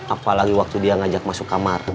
apalagi waktu dia ngajak masuk kamar